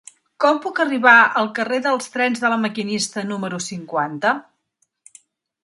Com puc arribar al carrer dels Trens de La Maquinista número cinquanta?